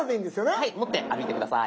はい持って歩いて下さい。